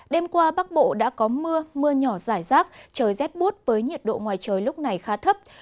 đêm qua bắc bộ đã có mưa mưa nhỏ rải rác trời rét bút với nhiệt độ ngoài trời lúc này khá thấp